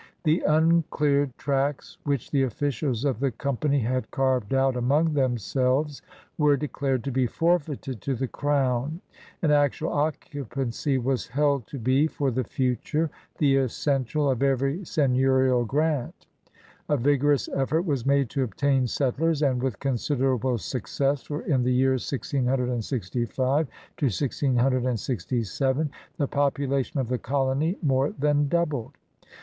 The uncleared tracts which the officials of the G>mpany had carved out among themselves were declared to be forfeited to the Crown and actual occupancy was.held to be, for the futuj^, the essential of every seigneurial grant. A vigorous effort was made to obtain settlers, and with considerable success, for in the years 166S 1667 the population of the colony more than doubled.